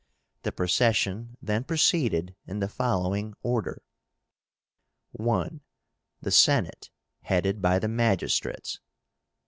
The procession then proceeded in the following order: 1. The Senate, headed by the magistrates.